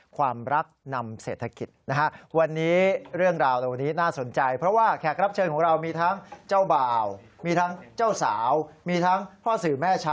ความรักนำเศรษฐกิจนะฮะ